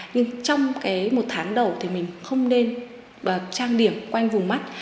nhưng trong một tháng đầu thì mình không nên trang điểm quanh vùng mắt